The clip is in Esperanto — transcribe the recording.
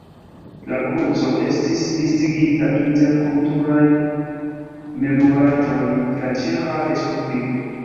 La kruco estis listigita inter kulturaj memoraĵoj de la Ĉeĥa respubliko.